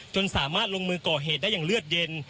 จนสามารถลงมือก่อเหตุได้อย่างเลือดเย็น